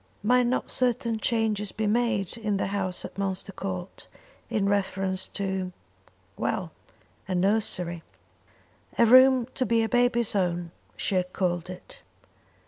Might not certain changes be made in the house at Munster Court in reference to well, to a nursery. A room to be baby's own she had called it.